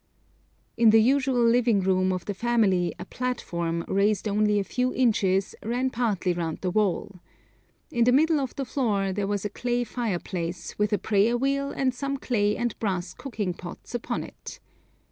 In the usual living room of the family a platform, raised only a few inches, ran partly round the wall. In the middle of the floor there was a clay fireplace, with a prayer wheel and some clay and brass cooking pots upon it.